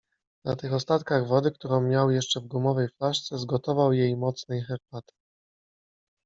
Na tych ostatkach wody, którą miał jeszcze w gumowej flaszce, zgotował jej mocnej herbaty.